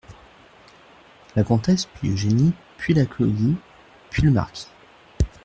La Comtesse, puis Eugénie, puis la Claudie, puis le Marquis.